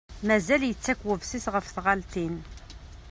Mazal yekkat websis ɣef tɣaltin.